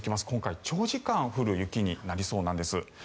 今回、長時間降る雪になりそうなんです。